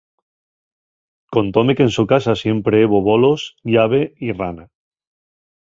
Contóme qu'en so casa siempre hebo bolos, llave y rana.